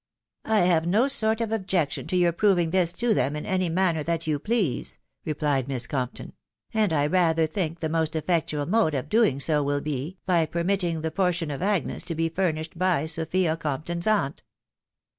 " I have no sort of objection to your proving this to them in any manner that you please," replied Miss Compton; " and I rather think the most effectual mode of doing so will be, by permitting the portion of Agnes to be furnished by Sophia Compton's aunt."